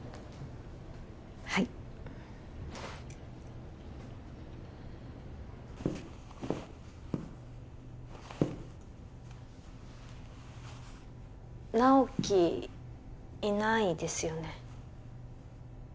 はい直木いないですよね